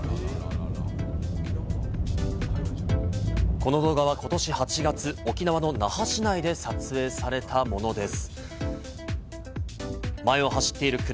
この動画はことし８月、沖縄の那覇市内で撮影されたものです。